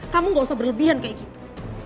kamu gak usah berlebihan kayak gitu